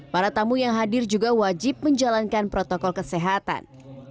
para tamu yang hadir juga wajib menjalankan protokol kesehatan